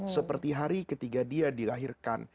seperti hari ketika dia dilahirkan